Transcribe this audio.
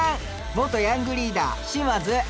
「元ヤングリーダー島津」